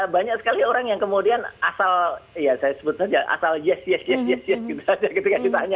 banyak sekali orang yang kemudian asal ya saya sebut saja asal yes yes yes